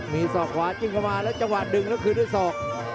มีส่องขวาจึงเข้ามาแล้วจังหวัดดึงแล้วคืนด้วยส่อง